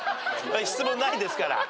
質問ないですから。